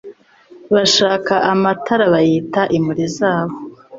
Bashaka amatara bayita imuri zabo